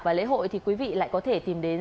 và lễ hội thì quý vị lại có thể tìm đến